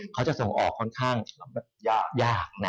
เขาจะส่งออกค่อนข้างยากนะ